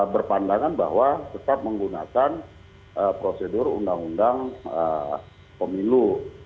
berpandangan bahwa tetap menggunakan prosedur undang undang pemilu